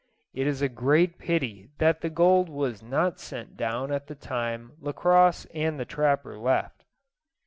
It is a great pity that the gold was not sent down at the time Lacosse and the trapper left.